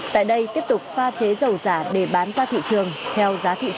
tại đây tiếp tục pha chế dầu giả để bán ra thị trường theo giá thị trường